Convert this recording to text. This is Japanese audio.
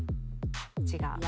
違う。